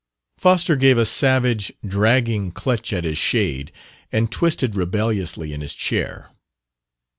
Foster gave a savage, dragging clutch at his shade and twisted rebelliously in his chair.